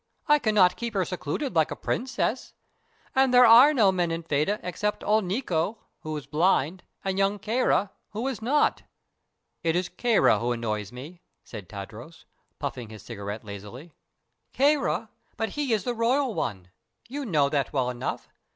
I cannot keep her secluded like a princess. And there are no men in Fedah except old Nikko, who is blind, and young Kāra, who is not." "It is Kāra who annoys me," said Tadros, puffing his cigarette lazily. "Kāra! But he is the royal one. You know that well enough.